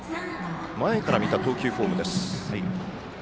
前から見た投球フォーム。